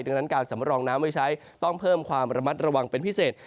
ดังนั้นการสำรองน้ำไว้ใช้ต้องเพิ่มความระมัดระวังเป็นพิเศษ